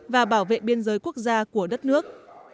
và bảo vệ biên giới quốc gia của đất nước